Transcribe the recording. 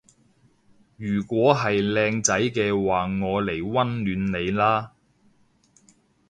如果係靚仔嘅話我嚟溫暖你啦